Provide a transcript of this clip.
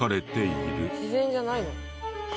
自然じゃないの？